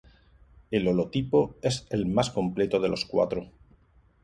El holotipo es el más completo de los cuatros.